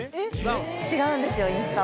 違うんですよ。